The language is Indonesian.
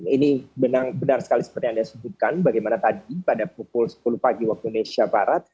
ini benar sekali seperti yang anda sebutkan bagaimana tadi pada pukul sepuluh pagi waktu indonesia barat